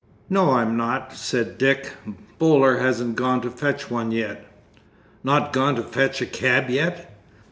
"No, I'm not," said Dick, "Boaler hasn't gone to fetch one yet." "Not gone to fetch a cab yet!"